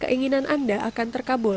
keinginan anda akan terkabul